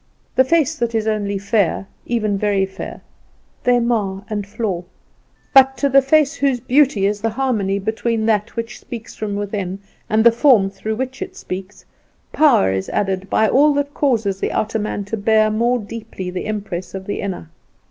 The face that is only fair, even very fair, they mar and flaw; but to the face whose beauty is the harmony between that which speaks from within and the form through which it speaks, power is added by all that causes the outer man to bear more deeply the impress of the inner.